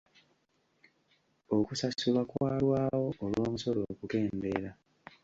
Okusasulwa kwalwawo olw'omusolo okukendeera.